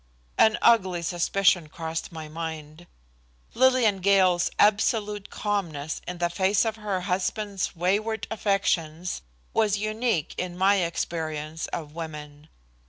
An ugly suspicion crossed my mind. Lillian Gale's absolute calmness in the face of her husband's wayward affections was unique in my experience of women.